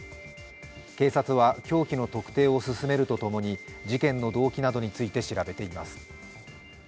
警察は凶器の特定を進めるとともに事件の動機などについて調べています。